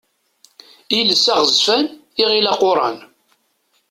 Iles aɣezzfan, iɣil aquran.